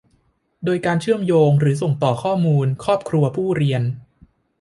โดยการเชื่อมโยงหรือส่งต่อข้อมูลครอบครัวผู้เรียน